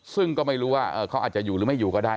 ซึ่งก็ไม่รู้ว่าเขาอาจจะอยู่หรือไม่อยู่ก็ได้